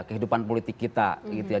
kehidupan politik kita gitu ya